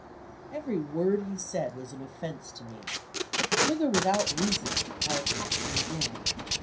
Every word he said was an offense to me. With or without reason, I attacked him again.